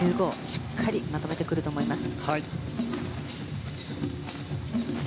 しっかりまとめてくると思います。